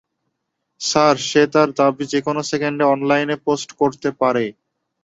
Sir, সে তার দাবি যেকোনো সেকেন্ডে অনলাইন পোস্ট করতে পারে।